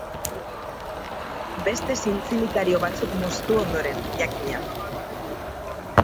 Beste zintzilikario batzuk moztu ondoren, jakina.